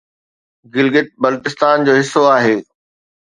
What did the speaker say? گلگت بلتستان جو حصو آهي